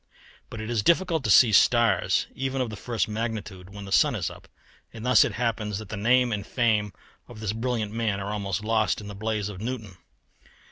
But it is difficult to see stars even of the first magnitude when the sun is up, and thus it happens that the name and fame of this brilliant man are almost lost in the blaze of Newton.